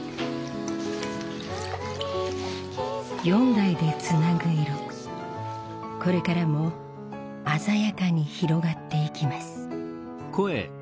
４代でつなぐ色これからも鮮やかに広がっていきます。